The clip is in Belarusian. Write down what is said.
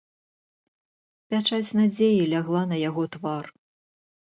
Пячаць надзеі лягла на яго твар.